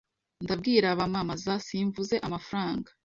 Ndabwira abamamaza, "Simvuze amafaranga